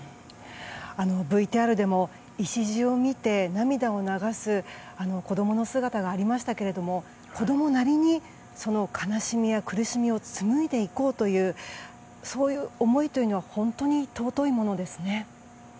ＶＴＲでも礎を見て涙を流す子供の姿がありましたけれども子供なりにその悲しみや苦しみを紡いでいこうという思いは本当に尊いものですね。